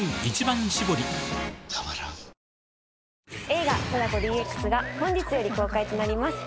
映画『貞子ＤＸ』が本日より公開となります。